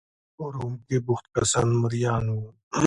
په روم کې بوخت کسان مریان وو.